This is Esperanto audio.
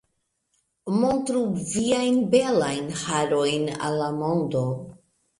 Montru viajn belajn harojn al la mondo